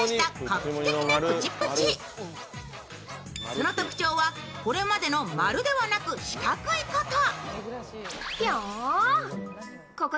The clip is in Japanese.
その特徴は、これまでの丸ではなく四角いこと。